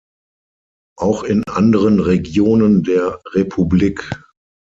Auch in anderen Regionen der Republik.